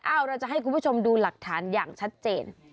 เราจะให้คุณผู้ชมดูหลักฐานอย่างชัดเจน